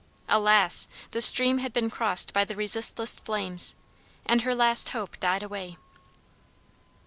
Alas! the stream had been crossed by the resistless flames, and her last hope died away.